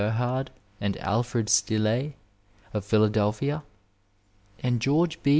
Gerhard and Alfred Still6, of Phila delphia, and Qeorge B.